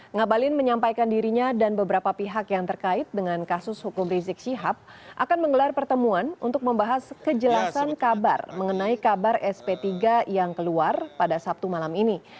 ngabalin menyampaikan dirinya dan beberapa pihak yang terkait dengan kasus hukum rizik syihab akan menggelar pertemuan untuk membahas kejelasan kabar mengenai kabar sp tiga yang keluar pada sabtu malam ini